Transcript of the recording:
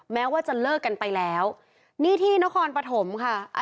แม้ว่าจะเลิกกันไปแล้วนี่ที่นครปฐมค่ะ